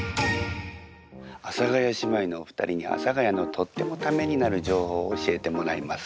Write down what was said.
阿佐ヶ谷姉妹のお二人に阿佐ヶ谷のとってもためになる情報を教えてもらいます。